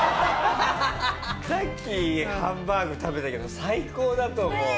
さっきハンバーグ食べたけど最高だと思うこれ。